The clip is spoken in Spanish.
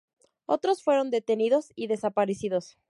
Otros fueron detenidos y desaparecidos.